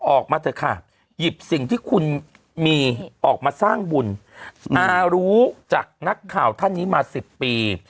ออกมาเถอะค่ะหยิบสิ่งที่คุณมีออกมาสร้างบุญอารู้จากนักข่าวท่านนี้มา๑๐ปี